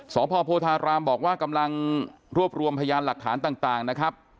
สพโพธารามบอกว่ากำลังรวบรวมพยานหลักฐานต่างนะครับ